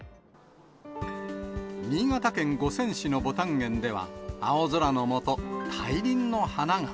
新潟県五泉市のぼたん園では、青空の下、大輪の花が。